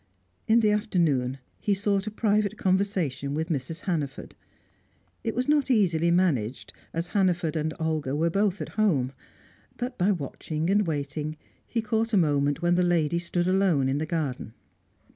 In the afternoon, he sought a private conversation with Mrs. Hannaford. It was not easily managed, as Hannaford and Olga were both at home; but, by watching and waiting, he caught a moment when the lady stood alone in the garden.